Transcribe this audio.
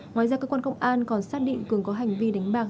ngoài ra cơ quan công an còn xác định cường có hành vi đánh bạc